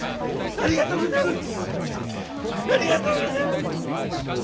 ありがとうごぜます！